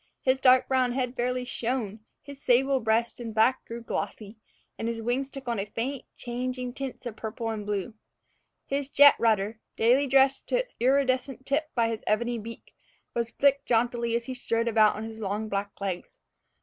His dark brown head fairly shone, his sable breast and back grew glossy, and his wings took on faint, changing tints of purple and blue. His jet rudder, daily dressed to its iridescent tip by his ebony beak, was flicked jauntily as he strode around on his long black legs.